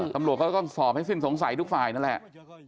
ตำรวจก็ต้องสอบให้สิ้นสงสัยทุกฝ่ายนั่นแหละ